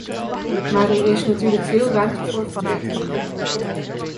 Maar er is natuurlijk veel ruimte voor verbetering.